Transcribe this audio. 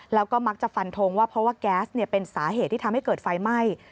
แล้วก็มักจะฟันทงว่าเพราะว่าแก๊สเป็นสาเหตุที่ทำให้เกิดไฟไหม้